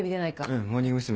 うんモーニング娘。